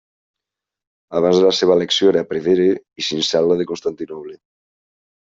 Abans de la seva elecció era prevere i sincel·le de Constantinoble.